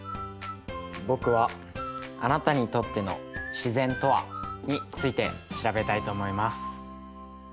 僕は「あなたにとっての自然とは？」について調べたいと思います。